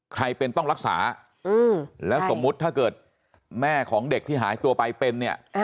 ใครเป็นต้องรักษาแล้วสมมุติถ้าเกิดแม่ของเด็กที่หายตัวไปเป็นเนี่ย